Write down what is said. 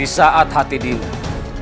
ini saat hati dinda